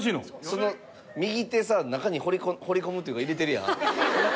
その右手さ中に放り込むっていうか入れてるやん。